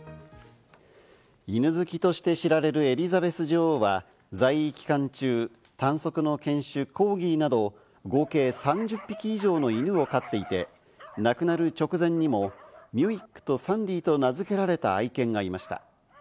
犬好きとして知られるエリザベス女王は在位期間中、短足の犬種・コーギーなど合計３０匹以上の犬を飼っていて、亡くなる直前にもミュイックとサンディと名付けられた愛犬がいました。